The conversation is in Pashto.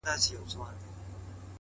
هره هڅه د ځان د درک برخه ده.!